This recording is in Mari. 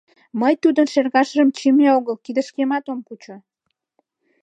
— Мый тудын шергашыжым чийыме огыл, кидышкемат ом кучо.